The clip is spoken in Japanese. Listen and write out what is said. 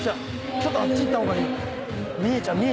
ちょっとあっち行った方がいい。